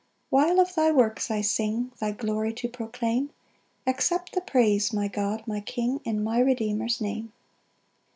8 While of thy works I sing, Thy glory to proclaim, Accept the praise, my God, my King, In my Redeemer's name.